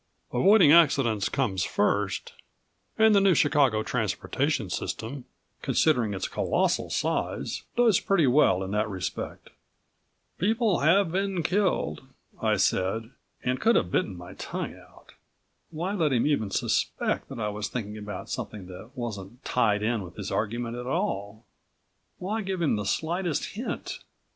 Avoiding accidents comes first and the New Chicago Transportation System, considering its colossal size, does pretty well in that respect." "People have been killed," I said, and could have bitten my tongue out. Why let him even suspect that I was thinking about something that wasn't tied in with his argument at all, why give him the slightest hint?